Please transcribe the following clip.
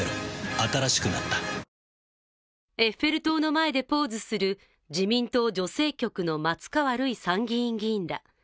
新しくなったエッフェル塔の前でポーズする自民党女性局の松川るい参議院議員ら。